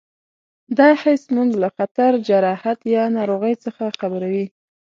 دا حس موږ له خطر، جراحت یا ناروغۍ څخه خبروي.